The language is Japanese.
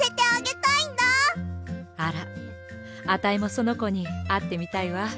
あらあたいもそのこにあってみたいわ。